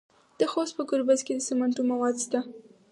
د خوست په ګربز کې د سمنټو مواد شته.